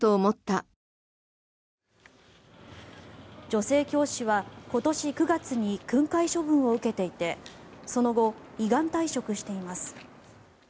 女性教師は今年９月に訓戒処分を受けていてその後、依願退職しています。